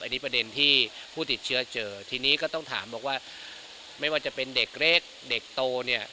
อันนี้ประเด็นที่ผู้ติดเชื้อเจอทีนี้ก็ต้องถามบอกว่าไม่ว่าจะเป็นเด็กเล็กเด็กโตเนี่ย